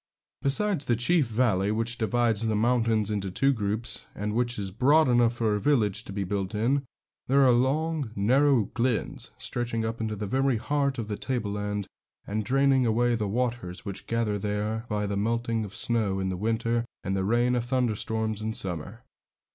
Besides the chief valley, which divides the mountains into two groups, and which is broad enough for a village to be built in, there are long, narrow glens, stretching up into the very heart of the tableland, and draining away the waters which gather there by the melting of snow in the winter and the rain of thunderstorms in summer.